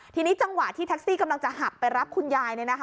ทีนี้จังหวะที่แท็กซี่กำลังจะหักไปรับคุณยาย